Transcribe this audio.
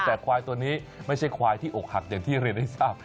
แต่ควายตัวนี้ไม่ใช่ควายที่อกหักอย่างที่เรียนให้ทราบ